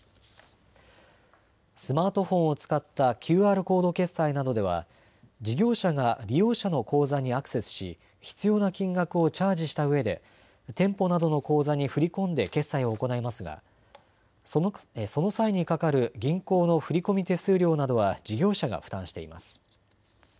スマートフォンを使ったＱＲコード決済などでは事業者が利用者の口座にアクセスし必要な金額をチャージしたうえで店舗などの口座に振り込んで決済を行いますがその際にかかる銀行の振込手数料などは事業者が負担しています。